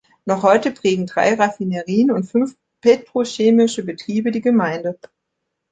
Noch heute prägen drei Raffinerien und fünf petrochemische Betriebe die Gemeinde.